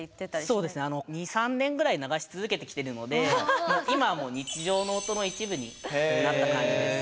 そうですねあの２３年ぐらい流し続けてきてるので今はもう「日常の音の一部」になった感じです。